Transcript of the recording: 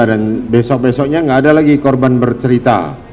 dan besok besoknya gak ada lagi korban bercerita